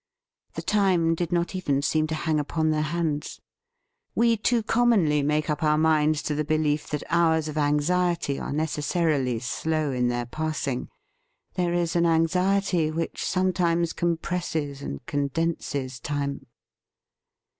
The time did not even seem to hang upon their hands. We too commonly make up our minds to the belief that hours of anxiety are necessarily slow in their passing. There is an anxiety which sometimes compresses and condenses time.